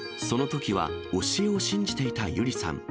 そのときは教えを信じていたユリさん。